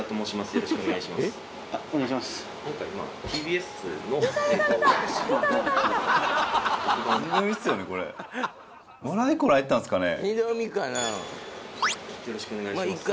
よろしくお願いします